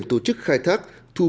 và tổ chức khai thác